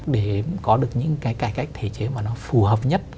để có được những cái cải cách thể chế mà nó phù hợp nhất